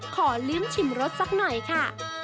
ขอลืมชิมรสสักหน่อยค่ะ